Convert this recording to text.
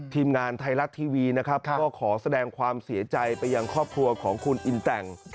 ทีมงานไทยรัฐทีวีนะครับก็ขอแสดงความเสียใจไปยังครอบครัวของคุณอินแต่ง